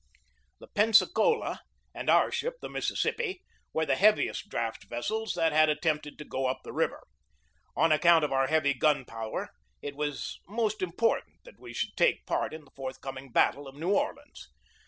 The Pensacola and our ship, the Mississippi, were the heaviest draught vessels that had attempted to go up the river. On account of our heavy gun power it was most important that we should take part in the forthcoming battle of New Orleans.